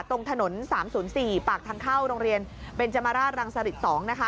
ตรงถนน๓๐๔ปากทางเข้าโรงเรียนเบนจมราชรังสริต๒นะคะ